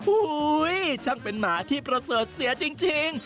ช่างเป็นหมาที่ประเสริฐเสียจริง